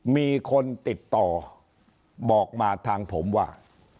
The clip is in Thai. มีคนติดต่อบอกมาทางผมว่า